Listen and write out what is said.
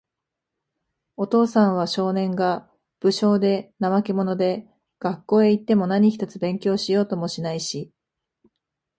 お父さんは、少年が、無精で、怠け者で、学校へいっても何一つ勉強しようともしないし、